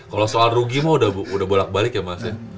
kalau soal rugi mah udah bolak balik ya mas ya